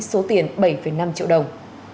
số tiền bảy năm triệu đồng